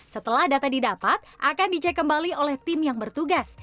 setelah data didapat akan dicek kembali oleh tim yang bertugas